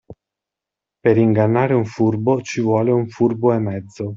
Per ingannare un furbo, ci vuole un furbo e mezzo.